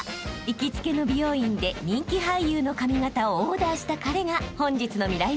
行きつけの美容院で人気俳優の髪形をオーダーした彼が］